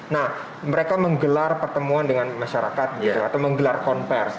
nah mereka menggelar pertemuan dengan masyarakat atau menggelar konversi